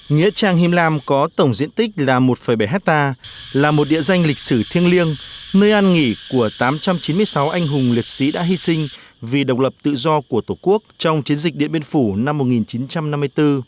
nghĩa trang him lam có tổng diện tích là một bảy hectare là một địa danh lịch sử thiêng liêng nơi an nghỉ của tám trăm chín mươi sáu anh hùng liệt sĩ đã hy sinh vì độc lập tự do của tổ quốc trong chiến dịch điện biên phủ năm một nghìn chín trăm năm mươi bốn